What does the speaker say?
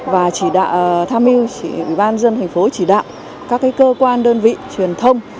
và tham mưu ủy ban dân thành phố chỉ đạo các cơ quan đơn vị truyền thông